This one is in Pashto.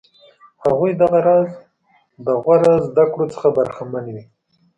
هغوی دغه راز د غوره زده کړو څخه برخمن وي.